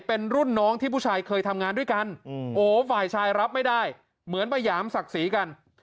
เป็นรุ่นน้องที่ผู้ชายเคยทำงานด้วยกันโอ้ฝ่ายชายรับไม่ได้เหมือนไปหยามศักดิ์ศรีกัน